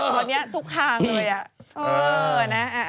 คุณพอนี้ทุกข้างเลย